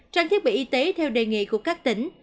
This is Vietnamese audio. trang thiết bị y tế theo đề nghị của các tỉnh